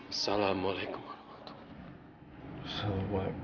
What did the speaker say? assalamualaikum warahmatullahi wabarakatuh